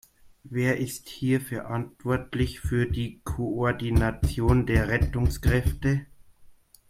Wer ist hier verantwortlich für die Koordination der Rettungskräfte?